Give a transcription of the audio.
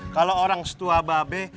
kalau orang setua be